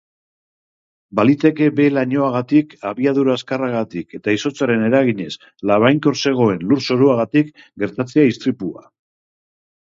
Baliteke behe-lainoagatik, abiadura azkarragatik eta izotzaren eraginez labainkor zegoen lur-zoruagatik gertatzea istripua.